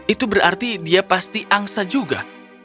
itu berarti dia pasti angsa juga